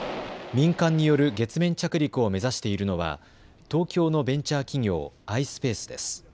民間による月面着陸を目指しているのは東京のベンチャー企業、ｉｓｐａｃｅです。